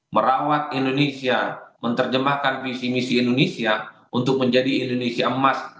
merawat indonesia menerjemahkan visi misi indonesia untuk menjadi indonesia emas